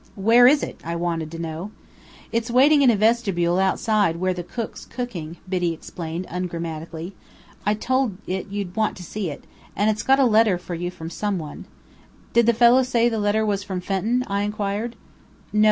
"Where is it?" I wanted to know. "It's waiting in a vestibule outside where the cook's cooking," Biddy explained ungrammatically. "I told it you'd want to see it. And it's got a letter for you from some one." "Did the fellow say the letter was from Fenton?" I inquired. "No.